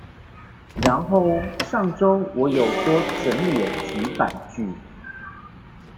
然後上週我有多整理了幾百句